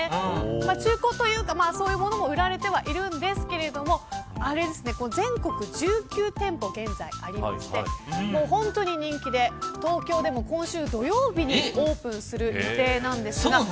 中古のものも売られてはいますが全国１９店舗、現在ありまして本当に人気で東京でも今週土曜日にオープンする予定なんです。